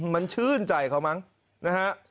มันชื่นใจเขามั้งนะฮะ